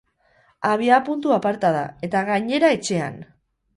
Abiapuntu aparta da, eta gainera etxean!